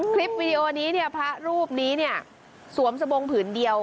คลิปวีดีโอนี้เนี่ยพระรูปนี้เนี่ยสวมสบงผืนเดียว